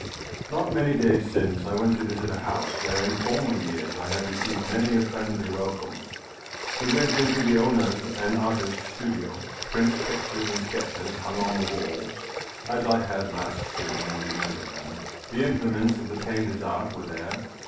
Not many days since I went to visit a house where in former years I had received many a friendly welcome. We went into the owner's (an artist's) studio. Prints, pictures, and sketches hung on the walls as I had last seen and remembered them. The implements of the painter's art were there.